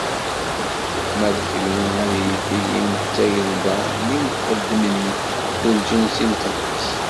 Ma d kenwi, ad yi-tilim d tagelda n lmuqeddmin, d lǧens imqeddes.